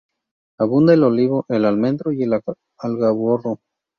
Abunda el olivo, el almendro y el algarrobo.